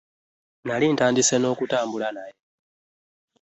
Nnali ntandise n'okutambula naye.